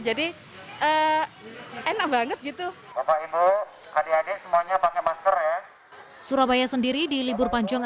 jadi enak banget gitu bapak ibu karyawan semuanya pakai masker ya surabaya sendiri di libur panjang